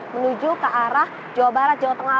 menuju ke arah jawa barat jawa tengah